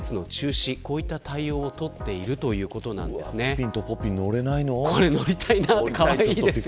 ピピンとポピー乗れないの。